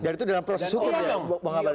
dan itu dalam proses hukum ya bapak ngabalin